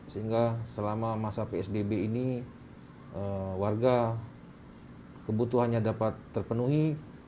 sehingga selama masa psbb ini warga kebutuhannya dapat terpenuhi